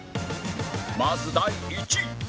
まず第１位